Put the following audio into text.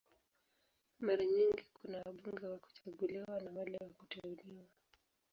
Mara nyingi kuna wabunge wa kuchaguliwa na wale wa kuteuliwa.